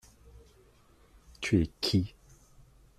Tu es qui ?